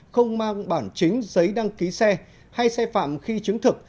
không mang bản chính giấy đăng ký xe hay xe phạm khi chứng thực